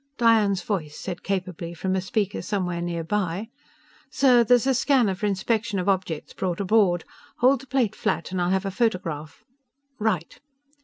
Diane's voice said capably from a speaker somewhere nearby: "_Sir, there's a scanner for inspection of objects brought aboard. Hold the plate flat and I'll have a photograph right!